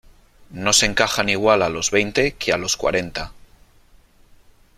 no se encajan igual a los veinte que a los cuarenta .